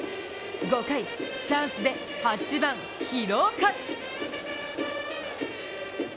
５回、チャンスで８番・廣岡。